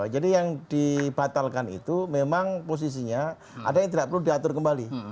jadi yang dibatalkan itu memang posisinya ada yang tidak perlu diatur kembali